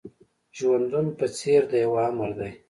ژوندون په څېر د يوه آمر دی.